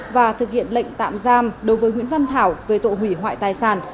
và thực hiện lệnh tạm giam đối với nguyễn văn thảo về tội hủy hoại tài sản